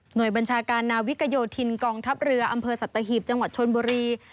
โดยบัญชาการนาวิกโยธินกองทัพเรืออำเภอสัตหีบจังหวัดชนบุรี